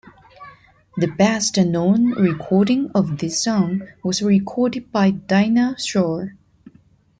The best-known recording of this song was recorded by Dinah Shore.